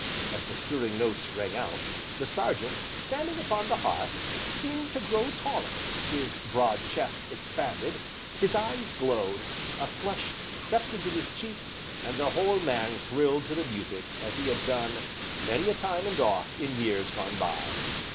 As the stirring notes rang out, the Sergeant, standing upon the hearth, seemed to grow taller, his broad chest expanded, his eyes glowed, a flush crept up into his cheek, and the whole man thrilled to the music as he had done, many a time and oft, in years gone by.